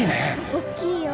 おっきいよ。